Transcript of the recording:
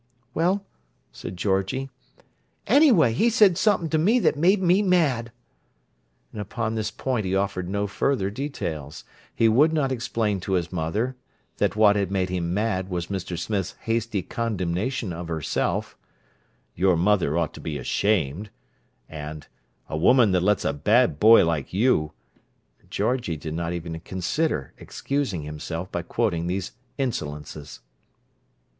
"Well—" said Georgie. "Anyway, he said somep'm' to me that made me mad." And upon this point he offered no further details; he would not explain to his mother that what had made him "mad" was Mr. Smith's hasty condemnation of herself: "Your mother ought to be ashamed," and, "A woman that lets a bad boy like you—" Georgie did not even consider excusing himself by quoting these insolences.